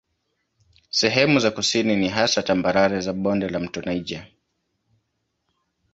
Sehemu za kusini ni hasa tambarare za bonde la mto Niger.